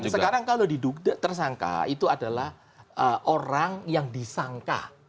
sekarang kalau tersangka itu adalah orang yang disangka